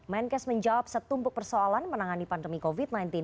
menkes menjawab setumpuk persoalan menangani pandemi covid sembilan belas